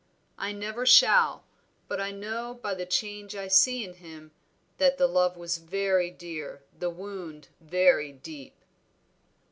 I never shall; but I know, by the change I see in him, that the love was very dear, the wound very deep."